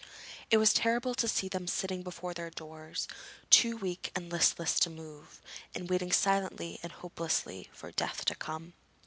It was terrible to see them sitting before their doors, too weak and listless to move, and waiting silently and hopelessly for death to come.